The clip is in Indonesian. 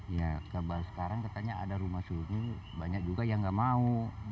ya kebal sekarang katanya ada rumah susun ini banyak juga yang nggak mau